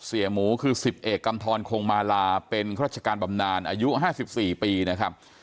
หมูคือ๑๐เอกกำทรคงมาลาเป็นราชการบำนานอายุ๕๔ปีนะครับ